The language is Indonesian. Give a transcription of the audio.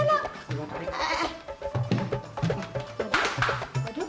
lu mau apaan ya dok